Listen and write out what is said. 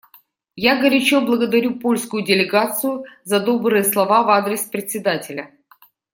Я горячо благодарю польскую делегацию за добрые слова в адрес Председателя.